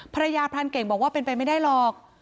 พรานเก่งบอกว่าเป็นไปไม่ได้หรอก